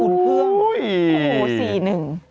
โอ้โฮโอ้โฮสี่หนึ่ง